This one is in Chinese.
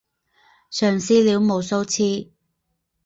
尝试了无数次